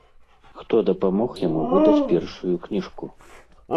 Хто дапамог яму выдаць першую кніжку?